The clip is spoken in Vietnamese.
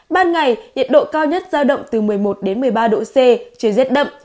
ban ngày nhiệt độ cao nhất ra động từ một mươi một một mươi ba độ c chưa dết đậm